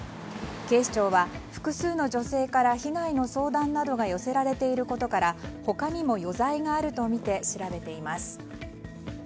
警視庁は複数の女性から被害の相談などが寄せられていることから他にも余罪があるとみて調べています。